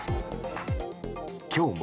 今日も。